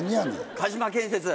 鹿島建設。